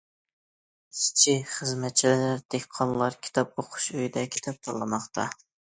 ئىشچى- خىزمەتچىلەر دېھقانلار كىتاب ئوقۇش ئۆيىدە كىتاب تاللىماقتا.